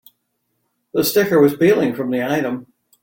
The sticker was peeling from the item.